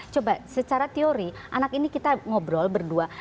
coba secara teori anak ini kita ngobrol berdua